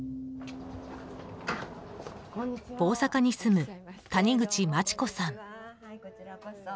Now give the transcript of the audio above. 大阪に住む、谷口真知子さん。